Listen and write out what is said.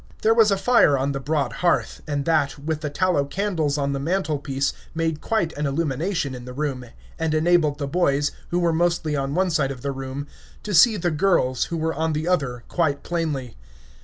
There was a fire on the broad hearth, and that, with the tallow candles on the mantelpiece, made quite an illumination in the room, and enabled the boys, who were mostly on one side of the room, to see the girls, who were on the other, quite plainly.